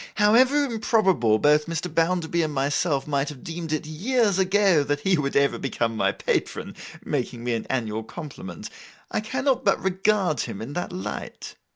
However improbable both Mr. Bounderby and myself might have deemed it years ago, that he would ever become my patron, making me an annual compliment, I cannot but regard him in that light.